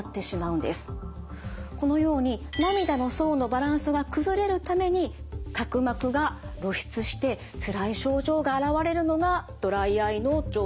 このように涙の層のバランスが崩れるために角膜が露出してつらい症状が現れるのがドライアイの状態です。